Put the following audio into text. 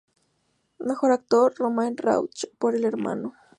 Mejor Actor: Romain Rondeau, por El hermano.